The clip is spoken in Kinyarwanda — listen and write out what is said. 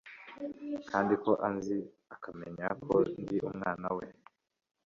kandi ko anzi akamenya ko ndi umwana we